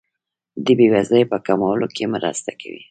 د بیوزلۍ په کمولو کې مرسته کوي.